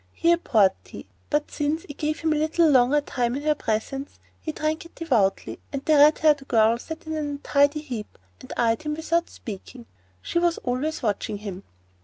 He abhorred tea, but, since it gave him a little longer time in her presence, he drank it devoutly, and the red haired girl sat in an untidy heap and eyed him without speaking. She was always watching him.